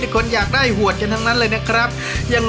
ถ้าได้เราแลกกันนะ